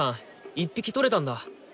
１匹取れたんだ？